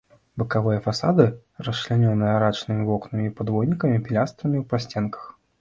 Бакавыя фасады расчлянёныя арачнымі вокнамі і падвойнымі пілястрамі ў прасценках.